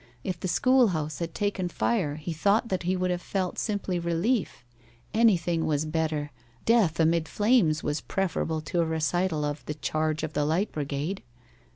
If the school house had taken fire he thought that he would have felt simply relief. Anything was better. Death amid the flames was preferable to a recital of "The Charge of the Light Brigade."